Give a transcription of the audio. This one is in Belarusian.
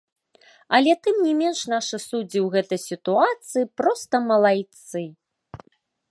Але тым не менш нашы суддзі ў гэтай сітуацыі проста малайцы.